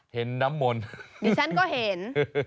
เดี๋ยวฉันก็เห็น